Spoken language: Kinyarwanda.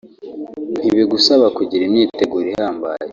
ntibigusaba kugira imyiteguro ihambaye